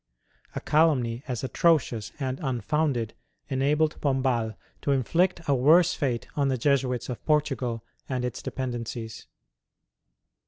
A calumny as atrocious and unfounded enabled Pombal to inflict a worse fate on the Jesuits of Portugal and its dependencies.